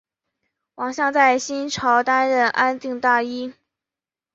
王向在新朝担任安定大尹。